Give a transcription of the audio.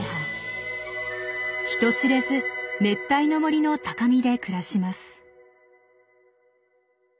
人知れず熱帯の森の高みで暮らします。